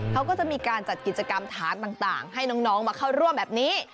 เขาก็จะมีการจัดกิจกรรมฐานต่างให้น้องมาเข้าร่วมแบบนี้